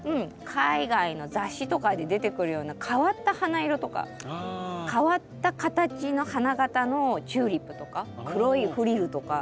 海外の雑誌とかで出てくるような変わった花色とか変わった形の花形のチューリップとか黒いフリルとか。